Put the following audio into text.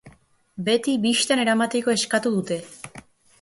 Beti bistan eramateko eskatu dute.